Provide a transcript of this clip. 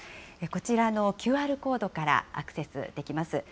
こちらのＱＲコードからアクセスできます。